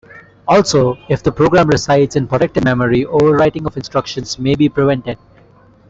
Also, if the program resides in protected memory, overwriting of instructions may be prevented.